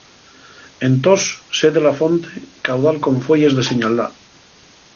Entós sé de la fonte, caudal con fueyes de señaldá.